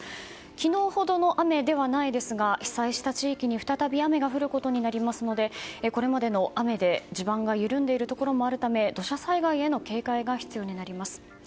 昨日ほどの雨ではないですが被災した地域に再び雨が降ることになりますのでこれまでの雨で地盤が緩んでいるところもあるため土砂災害への警戒が必要になります。